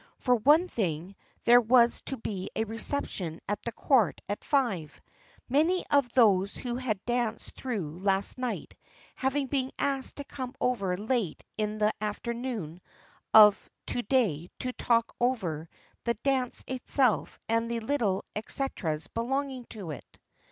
For one thing, there was to be a reception at the Court at five; many of those who had danced through last night having been asked to come over late in the afternoon of to day to talk over the dance itself and the little etceteras belonging to it.